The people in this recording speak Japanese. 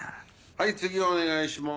はい次お願いします。